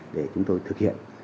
để chúng tôi thực hiện